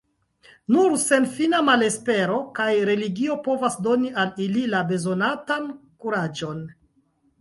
Nur senfina malespero kaj religio povas doni al ili la bezonatan kuraĝon.